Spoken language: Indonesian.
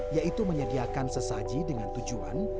yaitu menyediakan sesaji dengan tujuan